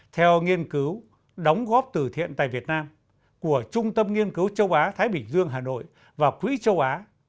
theo nghiên cứu đóng góp từ thiện tại việt nam của trung tâm nghiên cứu châu á thái bình dương hà nội và quỹ châu á